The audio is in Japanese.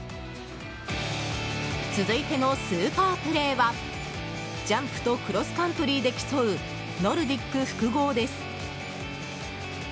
続いてのスーパープレーはジャンプとクロスカントリーで競う、ノルディック複合です。